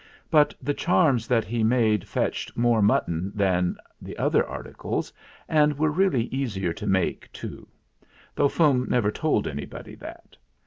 But the charms that he made fetched more mutton than the other articles, and were really easier to make too; though Fum never told anybody that.